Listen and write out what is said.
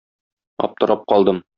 Аптырап калдым.